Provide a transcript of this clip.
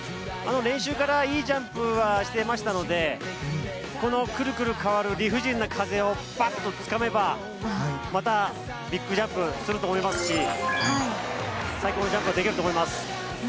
練習からいいジャンプをしていましたのでくるくる変わる理不尽な風をバッとつかめばまたビッグジャンプすると思いますし最高のジャンプができると思います。